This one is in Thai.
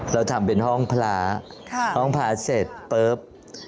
เราทำเป็นห้องพร้าเสร็จป๊อบ